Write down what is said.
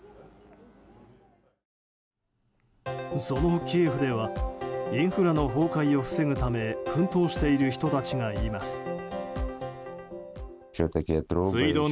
そのキエフではインフラの崩壊を防ぐため奮闘している人たちがいます。